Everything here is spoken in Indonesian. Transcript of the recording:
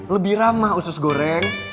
lebih ramah usus goreng